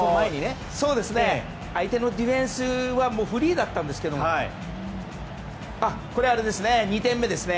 相手のディフェンスはフリーだったんですがこれは、２点目ですね。